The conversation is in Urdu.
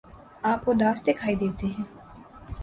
آپ اداس دکھائی دیتے ہیں